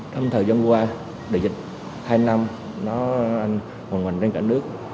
trong thời gian qua đợi dịch hai năm nó hoàn hoàn trên cả nước